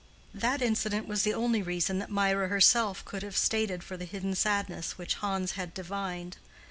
That incident was the only reason that Mirah herself could have stated for the hidden sadness which Hans had divined.